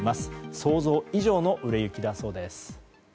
想像以上の売れ行きだそうです。